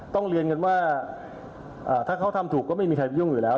ต้องเรียนกันว่าถ้าเขาทำถูกก็ไม่มีใครไปยุ่งอยู่แล้ว